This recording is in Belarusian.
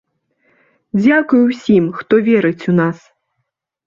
Дзякуй усім хто верыць у нас!